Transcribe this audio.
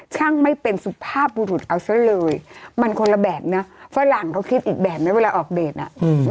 ช่างไม่เป็นสุภาพบุรุษเอาซะเลยมันคนละแบบนะฝรั่งเขาคิดอีกแบบนะเวลาออกเดทอ่ะ